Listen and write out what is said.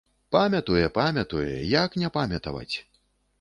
Памятуе, памятуе, як не памятаваць!